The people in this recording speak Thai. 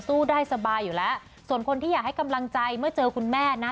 ได้สบายอยู่แล้วส่วนคนที่อยากให้กำลังใจเมื่อเจอคุณแม่นะ